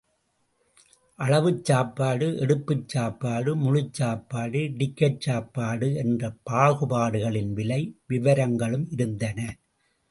அளவுச் சாப்பாடு, எடுப்புச் சாப்பாடு, முழுச் சாப்பாடு, டிக்கட் சாப்பாடு என்ற பாகுபாடுகளின் விலை விவரங்களும் இருந்தன.